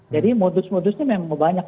jadi modus modusnya memang banyak